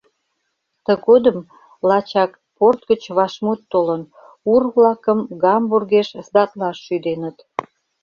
Тыгодым лачак порт гыч вашмут толын: ур-влакым Гамбургеш сдатлаш шӱденыт.